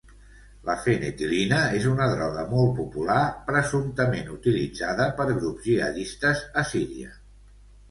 La fenetil·lina és una droga molt popular, presumptament utilitzada per grups gihadistes a Síria.